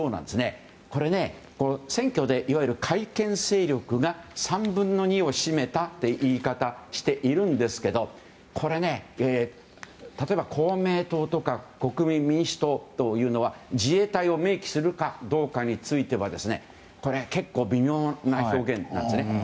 これね、選挙でいわゆる改憲勢力が３分の２を占めたという言い方をしているんですがこれね、例えば公明党とか国民民主党というのは自衛隊を明記するかどうかについてはこれは結構微妙な表現なんですね。